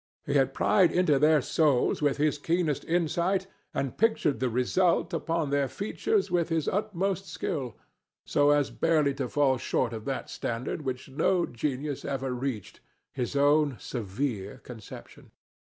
He had pried into their souls with his keenest insight and pictured the result upon their features with his utmost skill, so as barely to fall short of that standard which no genius ever reached, his own severe conception.